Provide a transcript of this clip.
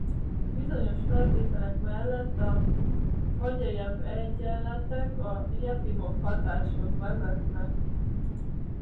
Bizonyos feltételek mellett a Faggyejev-egyenletek a Jefimov-hatáshoz vezetnek.